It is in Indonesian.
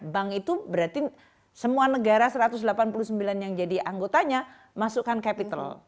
bank itu berarti semua negara satu ratus delapan puluh sembilan yang jadi anggotanya masukkan capital